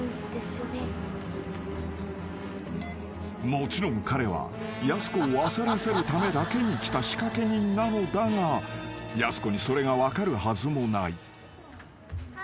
［もちろん彼はやす子を焦らせるためだけに来た仕掛け人なのだがやす子にそれが分かるはずもない］